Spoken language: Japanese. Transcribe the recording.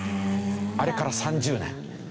あれから３０年。